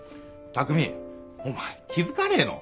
巧お前気付かねえの？